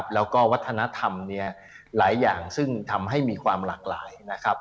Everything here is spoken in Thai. แล้วก็วัฒนธรรมหลายอย่างซึ่งทำให้มีความหลากหลายนะครับ